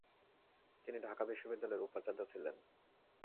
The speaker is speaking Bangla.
তিনি ঢাকা বিশ্ববিদ্যালয়ের উপাচার্য ছিলেন।